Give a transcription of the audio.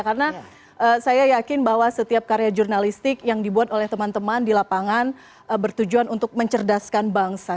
karena saya yakin bahwa setiap karya jurnalistik yang dibuat oleh teman teman di lapangan bertujuan untuk mencerdaskan bangsa